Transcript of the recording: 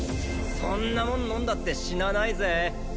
そんなもん飲んだって死なないぜ